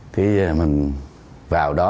thì mình vào đó